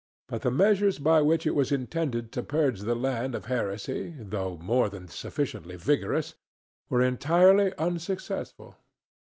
But the measures by which it was intended to purge the land of heresy, though more than sufficiently vigorous, were entirely unsuccessful.